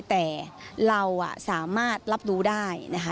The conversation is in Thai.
แต่เราสามารถรับรู้ได้นะคะ